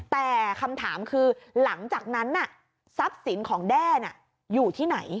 แต่คำถามคือหลังจากนั้นทรัพย์สินของแด้อยู่ที่ไหน